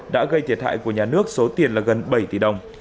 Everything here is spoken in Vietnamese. đã gây thiệt hại của nhà nước số tiền là gần bảy tỷ đồng